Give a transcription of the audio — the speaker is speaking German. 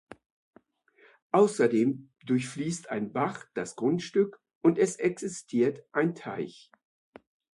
Außerdem durchfließt ein Bach das Grundstück und es existiert ein Teich.